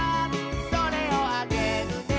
「それをあげるね」